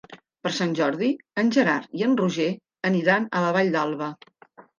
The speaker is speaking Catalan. Per Sant Jordi en Gerard i en Roger aniran a la Vall d'Alba.